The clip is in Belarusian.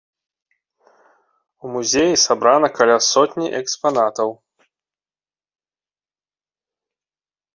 У музеі сабрана каля сотні экспанатаў.